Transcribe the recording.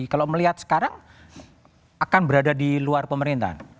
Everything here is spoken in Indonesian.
kalau melihat sekarang akan berada di luar pemerintahan